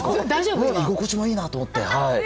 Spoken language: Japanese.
居心地もいいなと思って。